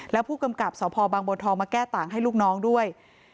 แล้วผู้กำกับสพบางบัวทองมาแก้ต่างให้ลูกน้องด้วย